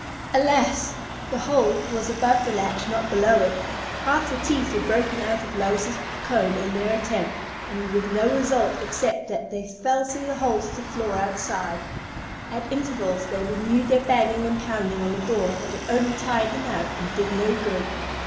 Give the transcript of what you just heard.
Alas! the hole was above the latch, not below it. Half the teeth were broken out of Lois's comb in their attempt, and with no result except that they fell through the hole to the floor outside. At intervals they renewed their banging and pounding on the door, but it only tired them out, and did no good.